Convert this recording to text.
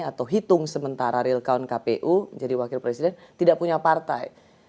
atau hitung sementara real count kpu menjadi wakil presiden tidak punya partai